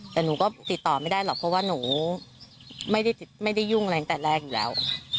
แต่หนูก็ติดต่อไม่ได้หรอกเพราะว่าหนูไม่ได้ยุ่งอะไรตั้งแต่แรกอยู่แล้ว